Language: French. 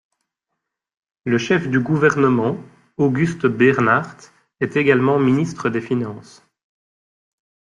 Le chef du gouvernement, Auguste Beernaert est également Ministre des finances.